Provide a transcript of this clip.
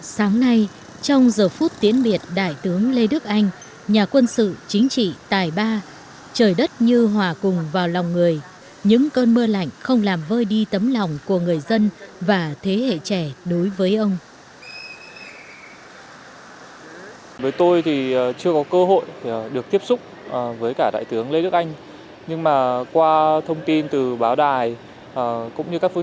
sáng nay trong giờ phút tiễn biệt đại tướng lê đức anh nhà quân sự chính trị tài ba người chiến sĩ cộng sản kiên trung đã giành chọn cả cuộc đời mình để hiến dân cho đảng cho cách mạng